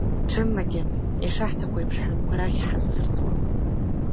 Ҽынлагьы, ишаҳҭаху еиԥш ҳаҩнқәа рахь ҳазцәырҵуам…